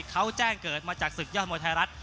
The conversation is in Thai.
เขาแจ้งเกิดมาจากศึกยอดมวยไทยรัฐ